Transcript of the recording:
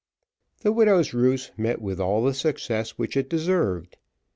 The widow's ruse met with all the success which it deserved.